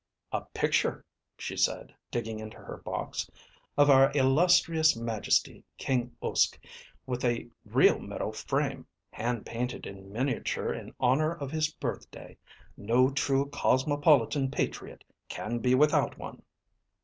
"A picture," she said, digging into her box, "of our illustrious majesty, King Uske, with a real metal frame, hand painted in miniature in honor of his birthday. No true cosmopolitan patriot can be without one."